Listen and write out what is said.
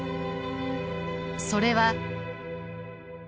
それは。